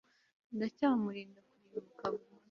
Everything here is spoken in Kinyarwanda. Ndacyamurinda kurimbuka burundu